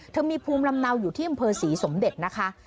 มีภูมิลำเนาอยู่ที่อำเภอศรีสมเด็จนะคะ